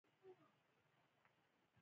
دواړه د کان په لور روان شول او خبرې یې کولې